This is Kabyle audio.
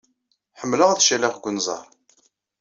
Ḥemmleɣ ad caliɣ deg unẓar.